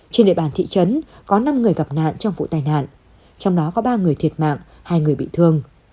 trên địa bàn thị trấn có năm người gặp nạn trong vụ tai nạn trong đó có ba người thiệt mạng hai người bị thương